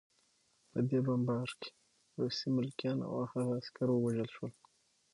په دې بمبار کې روسي ملکیان او هغه عسکر ووژل شول